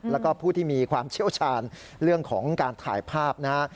แล้วก็ผู้ที่มีความเชี่ยวชาญเรื่องของการถ่ายภาพนะฮะ